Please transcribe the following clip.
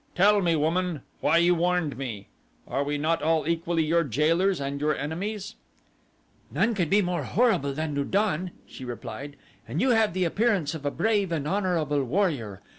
Tell me, woman, why you warned me. Are we not all equally your jailers and your enemies?" "None could be more horrible than Lu don," she replied; "and you have the appearance of a brave and honorable warrior.